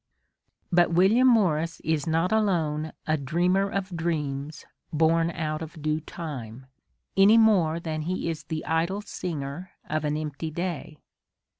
But William Morris is not alone a * 'dreamer of dreams, born out of due time," any more than he is the idle singer of an empty day."